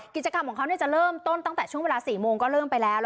กิจกรรมของเขาจะเริ่มต้นตั้งแต่ช่วงเวลา๔โมงก็เริ่มไปแล้ว